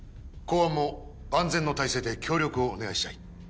公安も万全の体制で協力をお願いしたい。